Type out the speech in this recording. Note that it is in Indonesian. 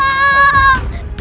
mas dua puluh asib